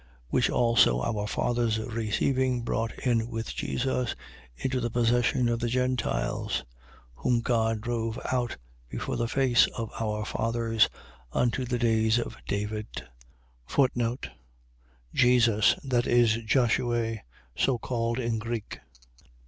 7:45. Which also our fathers receiving, brought in with Jesus, into the possession of the Gentiles: whom God drove out before the face of our fathers, unto the days of David, Jesus. . .That is Josue, so called in Greek.